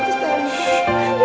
sakit ya ustar